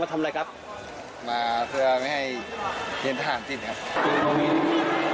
มาก็ไม่ให้ถแลนทหารพี่ดินครับ